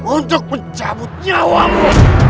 untuk mencabut nyawamu